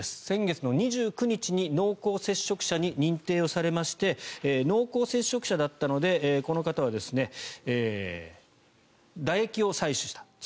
先月２９日に濃厚接触者に認定されまして濃厚接触者だったのでこの方はだ液を採取した。